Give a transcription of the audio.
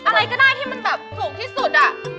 อะไรก็ได้ที่มันแบบถูกที่สุดอะ